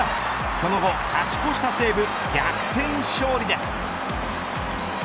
その後、勝ち越した西武、逆転勝利です。